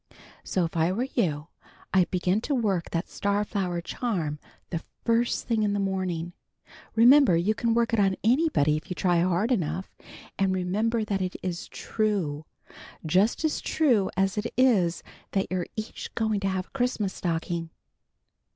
So if I were you, I'd begin to work that star flower charm the first thing in the morning. Remember you can work it on anybody if you try hard enough. And remember that it is true, just as true as it is that you're each going to have a Christmas stocking!"